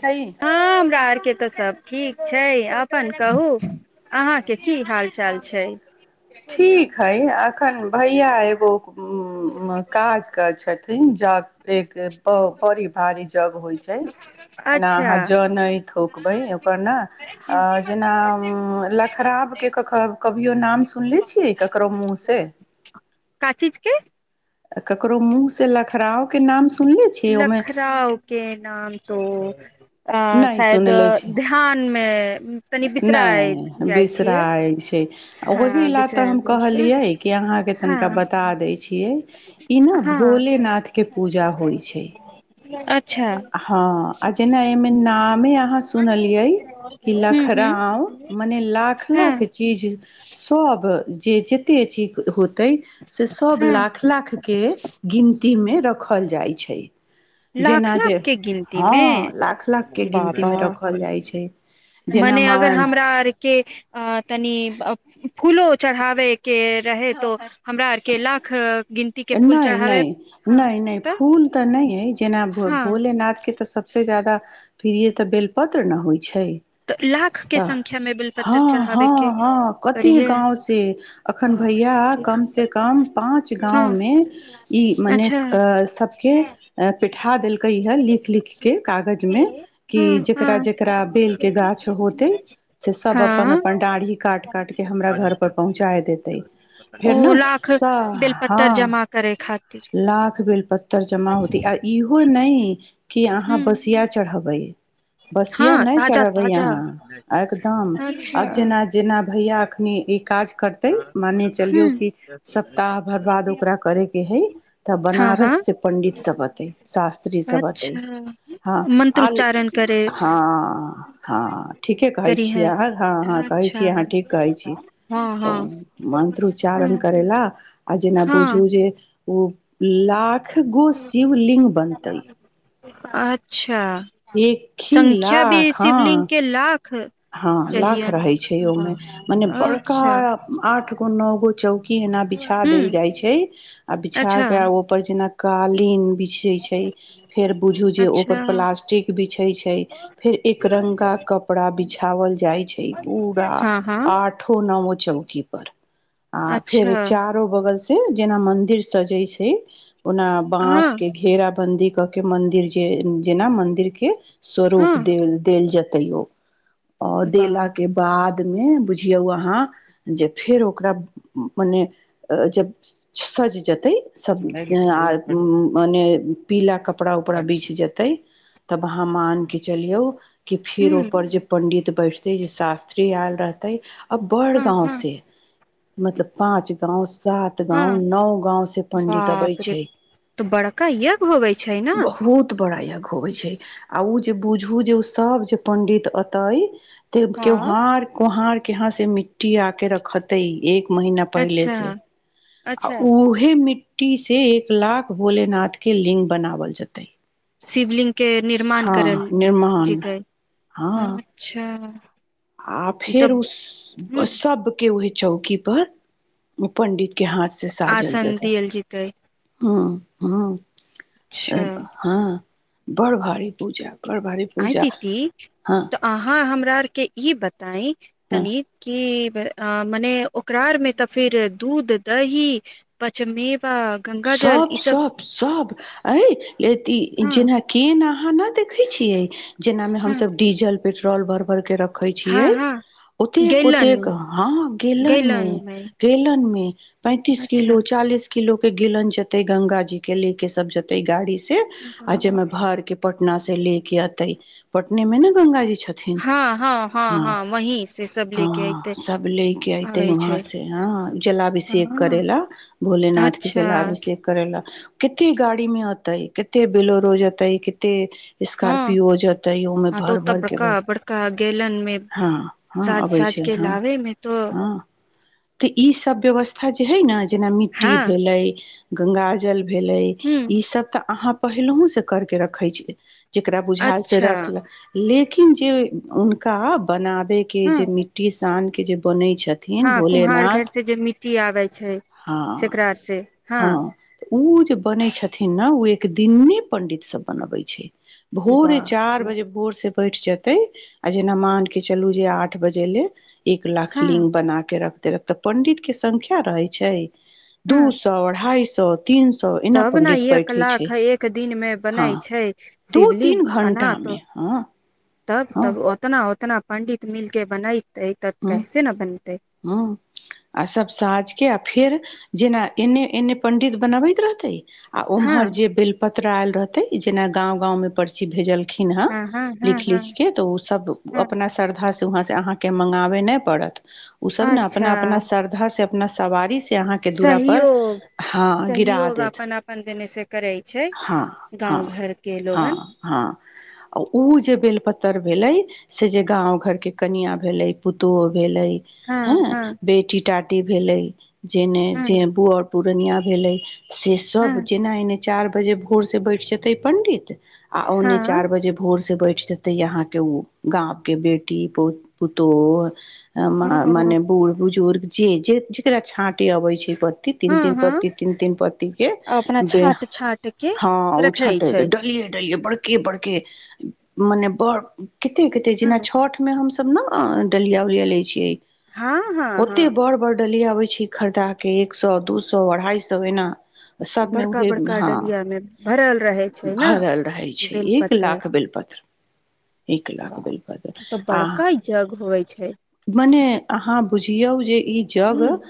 छै हँ हमरा आरके तऽ सब ठीक छै अपन कहू अहाँके की हाल चाल छै ठीक हइ एखन भैया एगो काज करैत छथिन एक बड़ी भारी जग होइ छै एना अच्छा अहाँ जानैत होकबै ओकर ने जेना लखराब के कभियो नाम सुनले छियै ककरो मुँहसे का चीज के ककरो मुंह से लखराव के नाम सुनले छियै ओहिमे लखराव के नाम तो [unintelligible] अ नहि शायद सुनले छी ध्यान मे तनि बिसरा नहि जाइ छियै बिसराइ छै आ ओहि हँ लए तऽ बिसरा हम जाइ छियै कहलियै कि अहाँके हँ तनिका बता दै छी छियै ई ने हँ भोले नाथ के पूजा होइ छै अ हँ आ जेना ऐ मे समेत अहाँ सुनलिए हूँ हूँ लखराव मने लाख हँ लाख चीज सब जे जते चीज हो तै से सब हँ लाख लाख के गिन ती मे रखल जाइ छै लाख जेना लाख जे के गिनती हँ मे लाख लाखके बाबा गिनतीमे रखल जाइ छै जेना मने अगर मान हमरा आर के अ तनि फूलो चढ़ावे के रह त हमरा आरके लाख गिन नहि नहि नहि नहि फूल तऽ नहि है केना हँ भोलेनाथके तऽ सबसँ ज जादा फिर ते बेल पत्र न होइ तऽ लाख अ के संख्या में बेलपत्र चढ़ाबे के पड़िये [unintelligible] हँ गाँंव मे इ मने अच्छा सब के पिठा देलकै हे लिख लिख के कागज मे कि हँ हँ जेकरा जेकरा बेल के ग गाछ होते से सब अपन हँ अपन डाढ़ी काट काट के हमरा घर पर पहुँचा देते फेर ने र हँ जमा करे खातिर लाख बेल पत्तर जमा होते आ इहो नहि कि अहाँ हूँ बसिया चढ़बै बसआ हँ नहि ताजा चढ़बै ताजा अहाँ एकदम अच्छा आब जेना जेना भैया एखन ई काज करतै मानने चलियौ हूँ कि सप्ताह बरबाद ओकरा करयके हइ तऽ हँ हँ बनारस से पंडित सब अतै शास्त्री सब अतै अच्छा हँ आल मंत्रोच्चारण हँ हँ ठीके कहै करी छीिय है अहाँ हँ हँ कहै अच्छा छी अहाँ ठीक कहै छी हँ ओ हँ मन्त्रोच्चारण करै ला आ जेना हँ बुझू जे ओ लाख एख्रगो शिवलिङ्ग बनतै अ्छ अच्छा एक ही संख्या भी लाख शिवलिंग हँ के लाख हँ लाख रहियन रहैत छै ओहिमे मने बड़का अच्छा आठ गो नओ गो चौकी एना बिछा हूँ देल जाइत छै आ बिछा अच्छा कऽ ओपर जेना कालीन बिछ छै फेर बुझू जे पर अच्छा प्लास्टिक बिछई छै फेर एक रंगगा कपड़ा बिछ ओल जाइ छै पूरा हँ हँ आठो नओ चौकी पर आ फेर अच्छा चारो बगल से जेना मन्दिर सजै छै उना बांस हँ के घेराबंन्दी क के मंन्दिर जे जेना मन्दिर के हँ स्वरूप देल देल जेत तैयौ आ देल वाह के बाद मे बुझियौ अहाँ जे फेर ओकरा मने सज जेतै तऽ सब आर मने पीला क कपड़ा उपड़ा बिछ जेतै तब अहाँ मान के चलियौ कि फेर हूँ ओपर जे डीत बैठतै ज शास्त्री आयाल रहतेै आ बड़ हँ गांव हँ से मतलब पाच गांव सात गांव हँ नओ गांव से पंडित अबे बाप रे छै तऽ बड़का यज्ञ होवे छै ने बहुत बड़ा य गाव होइ छै आ ओ जे बुझू जे ओ सब जे पण्डित तइ त हँ क्यौहार कहार यहाँ से मिट्टी आ के रखते एक महीना पहिले अच्छा से आ अच्छा उहे मिट्टी ु टी से एक लाख भोलेनाथके लिङ्ग बनाओल जेतै शिवलि्ग के निर्माण हँ करल निर्माण जतै हँ अच्छा आ ई तऽ फेर उ ह सब के ओह चौकी पर पण्डित के हाथ से सा जल आसन जाता दियल जेतै ह हँ अच्छा अ हँ बड़ भारी पूजा बड़ भारी आ पूजा तीी हँ तऽ अहाँ हमरा के ई बताई हँ तनीत की मने ओकरार में तऽ फिर दूध दही पचमे सब सब सब अ य हँ जेना कि न ना देखै छियै जेना मे हम हँ सभ डीजल पेट्रोल भर के रखे हँ छियै हँ ओतेक गैलन ओतेक हँ गेलन गैलन मे मेन मे पैंतीस अच्छा किलो चालीस किलो गिलन जेतय गंगा जी के ले के सब जेतय गाड़ी से। आ हँ जमे भरके पट पटना से ले के अतय पटने में ने गंगा जी छ छथिन हँ ह हँ हँ वहीं से सब लेके ह अयते सब ले के अयतय आबै वहाँ छै से ह जलाभिषेक करे हँ ला भोलेनाथ अच्छा जला अभिषेक करे ला केते गाड़ी मे अयतइ केते बेलोरो रोज जीतय केते हँ स्कार्पियो जेतै ओमे हँ तऽ भर ओतऽ भर के भर बड़का बड़का गैलन मे हँ हँ साज अबै साज छैय के हँ लाबे मे तो हँ। तऽ ई सब व्यवस्था जे हैय ने जेना मिट्टी हँ गंगा जल भेलय हूँ ई सब तऽ अहाँ पहिलहो से करके रखै छैय। जेकरा बुझाल से अच्छा रखलक लेक जे हुनका बना के हँ जे मिट्टी सान के जे बनै छैय। हँ कुम्हार घर से जे मिट्टी आबै छैय हँ सेकरा से। हँ उ जे बनै छथिन ने ओ एकदिने पंडित सब बनबै छैय। भोरे बाप चार रे बजे भोर से बठि जेतै आ जेना मान कऽ चलू जे आठ बजे ले एक लाख हँ लिंग बना के रख रक तऽ पण्डित के संख्या रहैत छैय। हँ अढ़ाइ स तब ने एक लाख एक दिनमे बनै हँ छैय दू शिवलिंग तीन एना घंटा तो मे हँ तब हँ तब ओतना ओतना पंडित मिलके बनाय ह ह आ सभ साँझके आ फेर जेना एन्ने एन्ने पण्डित बनबैत रहतै आ हँ उम्हर जे बेलपत आयल रहतय जेना गाँव गांव मे पर्ची भेजल खीन ह हँ हँ हँ लिख हँ लिख के तऽ ओ सब हँ अपना श्रद्धा से वहाँ से अहाँके मंग अबे नहि पड़त ओ सब ने अच्छा अपना अपना श्रद्धा से अपना सवारीसँ सहयोग गिरा सहयोग देत अपन अपन देने से करै छै हँ हँ गाँव घरके हँ लोगन हँ आ ओ जे बेलपत्तर भेलै से जे गाँव घरके कनआ भेलै पुतो भेलै हँ बेटीटा भेलै जेने जे हँ बुअट पूर्णिया भेलै से सब हँ जेना एने चारि बजे भोर सेसँ बैठ जेतै पण्डित आओने हँ चार बजे भोर से बैठ जेते यहा के गाँव के बेटी बहुत पु तो अ म ओ मने बूढ़ बुजुर्ग जे जे जेकरा छाँट अबे छै प तन हँ तन हँ पति तीन तीन पति के अपना छाँट छाँट के हँ ओ रखै छट छै डल रह बड़के बड़के मने बड़ कते कते हँ जेना छठ मे हम सब ने ह डलिया उलिया लै छियै हँ हँ हँ ड ली आबैत छी खरीदाक कऽ एक सए दू सए अढ़ाइ सए एना सबमे बड़का उहे बड़का हँ डलिया मे भरल रहे छै ने भरल रहै छै एक बेलपत्तर लाख बेलपत्र एक लाख बिल बाप, बाज तऽ आ बड़का जग होइ छै मने अहाँ बुझियौ जे ई जग ह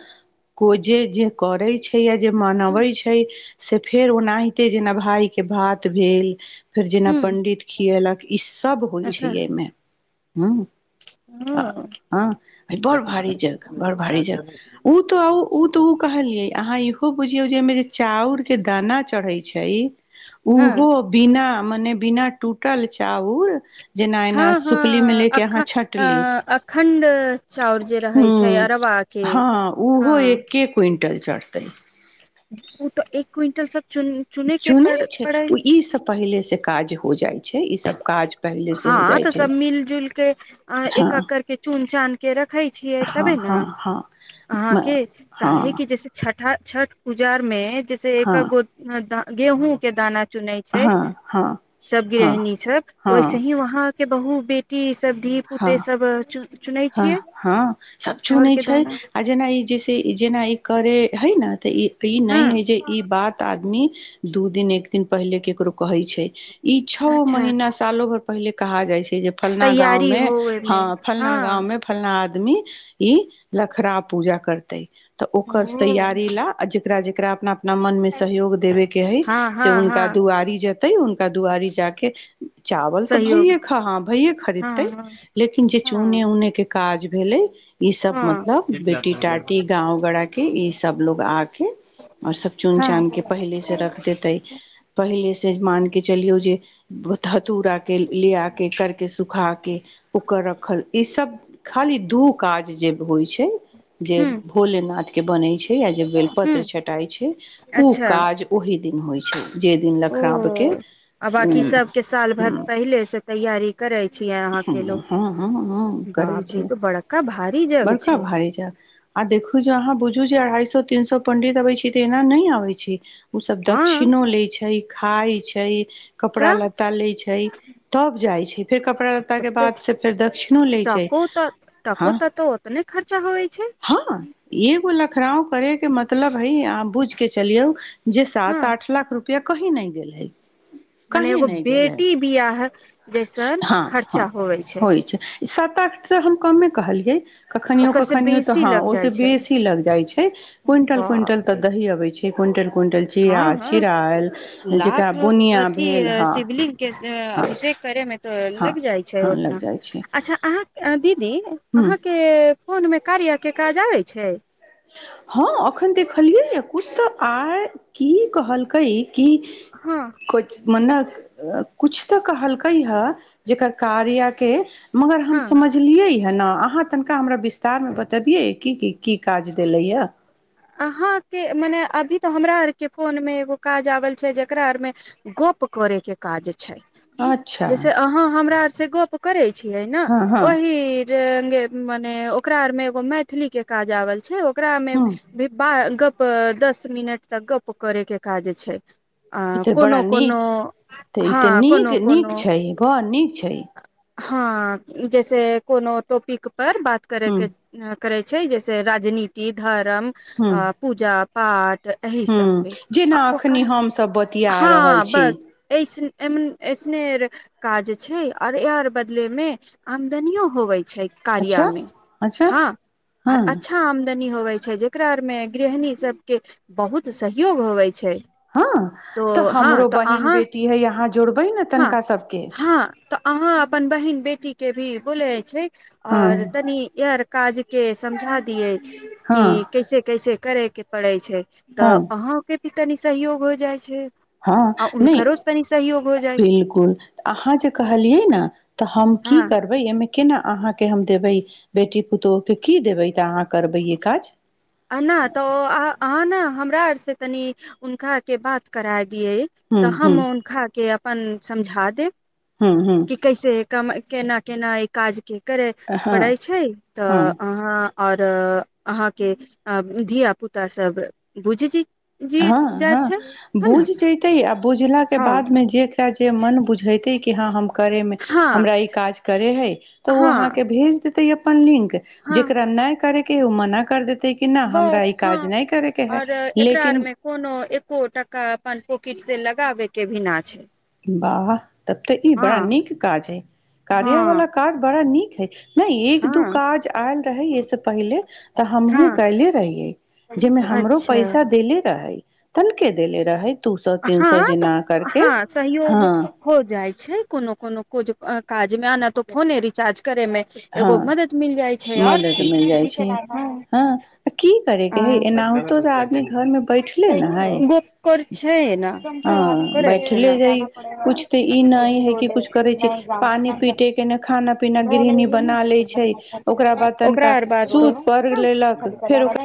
को जे जे करै छै य जे मनबै छै से फेर ओनाहिते जेना भायके भात भेल फेर जेना ह पंडित खियलक इस सभ होइ छै अच्छा एहिमे हँ ह ह बड़ भारी जग बड़ भारी जग ओ तऽ तऽ ओ कहलियै अहाँ इहो बुझ जे मे जे चाउर के दाना चढ़े छै हँ ओहो बिना मने बिना टूटल चाउर जेना एना हँ सुपलीमे हँ लेके अख अहाँ अ छँटली अखण्ड चाउर जे रहै हूँ छै अरबाका के हँ टल चार्ज तै ओ तऽ एक क्विंटल सब चुन चुने के चुनै पड़ छै पड़ै ओ ईसँ पहिलेसँ काज हो जाइ छै ई सब काज पहिले से हो हँ जाइ तऽ छै सब मिल जुलके एक एक हँ कर के चुन चान के रखै छियै हँ तबे ने हँ हँ अहाँके हँ काहे हँ कि जैसे छ छठ पूजारमे जैस एक हँ गो गेहूँ के दाना चुनै छै हँ हँ सब हँ गृहिणी सब हँ वैसे ही वहाँके बहुू बेटी सब धी हँ पुते सब चुनै छियै हँ हँ सभ चाउर चुनैत के छै दाना आ जेना ई जैसे जेना ई करे हइ ने तऽ ई ई हँ नहि हय जे ई बात आदमी दू दिन एक दिन पहिले केकरो कहै छै ई छओ अच्छा महीना सालो भरि पहिले कहा जाइ छै फलना गाँंव तैयारी मे हो ह ओहिमे फ गाँव हँ मे फलना आदमी ई लखड़ पूजा करत त त ओकर ओ तैयारी लए अज रा जेकरा अपना अप न मन मे सहयोग देबे के है हँ से हँ हुनका हँ दुआरि जेते हुनका दुआरी ज के चावल तऽ सहयोग भइे ह भैे हँ खरीदते हँ लेकिन जे उने हँ उने के काज भेलै ई सब हँ मतलब बेटी टाटी गाव गड़ा के इ सब लोग आके और सब चून हँ चाान के पहले से रख देते पहिले से मान के चलियौ जे कथूरा के लेिया के कर के सुखा के ओकर रखल ई सब खाली दू काज जे होइ छै जे ह भोलेनाथ के बनै छै य जे बेलपत्र ह छटाइ छै ओ अच्छा काज ओहि दिन होइ छै [unintelligible] ओ लखराब के आ बाँकि सभके साल भरि पहिलेसँ तैयारी करै छियै अहाँके हँ लोक हँ हँ छै बड़का छै भारी आ देखू जे अहाँ बुझु जे अढ़ाई सए तीन सो पंडित अबै छै त एना नहि आ छै ओसभ हँ दक्षिणो लए छै खाय छै कपड़ा तऽ लत्ता लै छै तब जाइ छै फेर कपड़ा लत्ता के त बाद से फेर दक्षि लै छै टको तऽ टको ह तऽ तो ओतने खर्चा होइ छै हँ एगो लखड़ाव करैके मतलब है अहाँ बुझ के चलियौ जे हँ सात आठ लाख रुपआ कही नहि गेल है मने एगो बेटी बियाह जैसन हँ हँ खर्चा होवै छै सात आठ तऽ हम कमे कहलियै कखनियो ओकर से कखनियो तऽ बेसी हँ लग ओस जाइ छै बेसी लग जाय छै क्विंटल क्विंटल बाप तऽ रे दही अबे छै क्विंटल क्विंटल हँ चीरा हँ चिरायल जेकरा लाख बुनिया अथ भेल हँ शिवलिंगग के हँ अभिषेक करेमे तऽ हँ लग जाइ छै हँ लग ओतना जाइ छै अच्छा अहाँ दीदी हूँ अहाँके दो मे कार्य के काज आबै छै हँ अखन देखलियै कुता त आइ की कहलकै की हँ क मने किुछ तऽ कहलकै हे जेकर कार्य के मगर हम हँ समझलियै अहाँ तनिका हमरा विस्तार मे बबिय तेलैा अहााँके मने अभी तऽ हमरा आर के फोन मे एगो काज आबल छै जेकरा आर मे गप करे के काज छै अच्छा ज अ हम सेगोआ पक कर छिय ने हँ हँ ओहि र मने ओकरा आर में एगो मैथिली के काज आवल छै ग्रामे ह आ गप दस मिनट तक गप करे के काज छै आ ई तऽ बड़ा कोनो नीक कोनो तऽ ई तऽ हँ नीक कोनो नीक कोनो छै बड़ नीक छै हँ जैसे कोनो टोपिक पर बात ह करेके करै छै जैसे राजनीति धर्म ह अ पूजा आठ ह जेना एखनि हमसभ ब हँ बस एसने काज छै और एर बदले में आमदनियो होवे छै छै अच्छा कार्यमे अच्छा हँ हँ आओर अच्छा आमदनी होवे छै जेकरा में गृहणी सब के बहुत सहयोग होवे छै हँ तो तऽ हँ हमरो तऽ बहिन अहाँ बेटी हइ अहाँ जोड़बै ने हँ तनिका सभके हँ तऽ अहाँ अपन बहिन बेटी के भी ब जाइ छै हँ और तनि इर काज के समझा दिय हँ कि कैसे कैसे करे के पड़ै छै तऽ हँ अहाँके कनी सहयोग हो जाय छै हँ आ नहि हुनकरो से तनि सहयोग हो जाइ बिलकुल अहाँ जे कहलियै ने तऽ हम की हँ करबै एहिमे केना अहाँ के हम देबे बेटी पुतो के की देबे त अहाँ करबैयए काज नहि तऽ नहि हम त दिय हूँ तऽ हूँ हम खा के अपन समझा दे हँ हँ केना केना ई काज के करै हँ पढ़ै छै तऽ हँ अहाँ आऔर अहाँके अ धिय पुता सब बुझजी हँ हँ बूझ जतै आ बूझ बझाक के हँ बाद मे जेकरा जे मन बुझेते कि हँ हम करे मे हँ हमरा ई काज करे हे तऽ ओ हँ अहाँके भेज तै अपन लिंक हँ जेकरा नहि करेके ओ मना कर कर दत कि नहि हमरा बस ई हँ काज नहि करयके है आओर एकरा लेकिन आरमे कोनो एको टका अपन पॉकेिट से लगाबे के भिना छै वाह तब तऽ ई हँ बड़ा नीक काज है कार्य हँ वाला काज बड़ा नीक ठीक नहि एक दू हँ काज आयल रहे एहिस पहिले तऽ हमहुँ हँ कयले रहिये जाहिमे हमरो अच्छा पैसा देले रहे तनखे देले रहै दू सए तीन सए हँ तऽ जेना करके हँ सहयोग हाँ, हो जा को क तोच ै मे एगो हाँ, मदद मिल जाइ छै आओर मदद मिल जाइ छै। हाँ, आ की करैके हइ, एनाहुतो तऽ आदमी घरमे बैठले न हइ। की ने हँ करै छै ने बैठले जय कुछ तऽ ई नहि है कि कुछ करै छै पानि पीटे के ने खाना पीना गृहणी बना लैत छै ओकरा बाद ओकरा तनिका आर बात सूत प तो लेलक फेर ओकरा